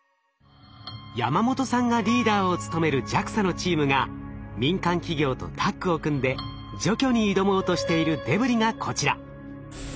山元さんがリーダーを務めるＪＡＸＡのチームが民間企業とタッグを組んで除去に挑もうとしているデブリがこちら。